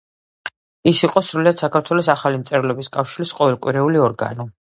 ის იყო სრულიად საქართველოს ახალი მწერლობის კავშირის ყოველკვირეული ორგანო.